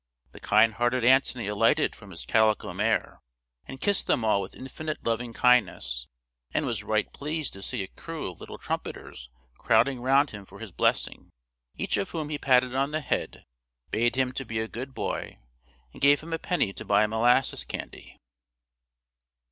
The kind hearted Antony alighted from his calico mare, and kissed them all with infinite loving kindness, and was right pleased to see a crew of little trumpeters crowding round him for his blessing, each of whom he patted on the head, bade him be a good boy, and gave him a penny to buy molasses candy.